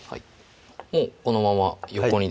もうこのまま横にですね